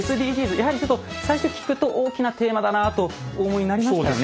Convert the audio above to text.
やはりちょっと最初聞くと大きなテーマだなあとお思いになりましたよね。